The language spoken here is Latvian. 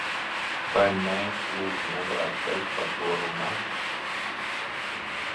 Vai mēs, lūdzu, nevarētu beigt par to runāt?